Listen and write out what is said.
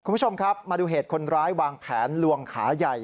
คุณผู้ชมครับมาดูเหตุคนร้ายวางแผนลวงขาใหญ่